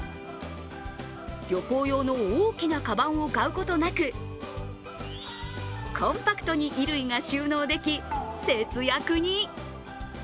旅行用の大きなかばんを買うことなくコンパクトに衣類が収納でき、節約に。